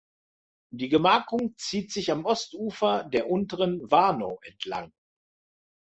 Die Gemarkung zieht sich am Ostufer der unteren Warnow entlang.